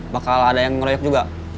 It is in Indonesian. bakal ada yang ngeroyok juga